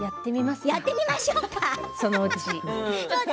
やってみましょうかそのうち。